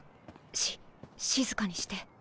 シッ静かにして。